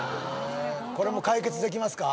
これも解決できますか？